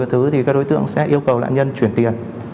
thứ thì các đối tượng sẽ yêu cầu nạn nhân chuyển tiền